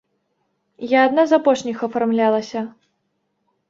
Я адна з апошніх афармлялася.